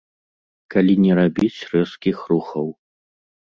Калі не рабіць рэзкіх рухаў.